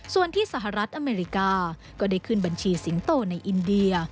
ส่วนที่สหรัฐอเมริกาก็ได้ขึ้นบัญชีสิงโตในอินเดีย